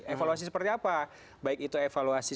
evaluasi seperti apa baik itu evaluasi